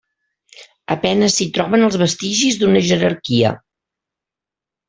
A penes s'hi troben els vestigis d'una jerarquia.